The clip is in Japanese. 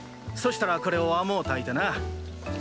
そしたらこれを甘うたいてな。